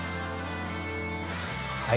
はい。